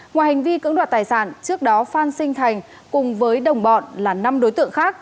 ngoài hành vi cưỡng đoạt tài sản trước đó phan sinh thành cùng với đồng bọn là năm đối tượng khác